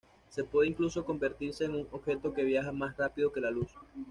Se puede incluso convertirse en un objeto que viaja más rápido que la luz.